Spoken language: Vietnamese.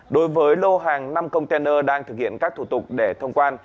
đối với lô hàng năm container đang thực hiện các thủ tục để thông quan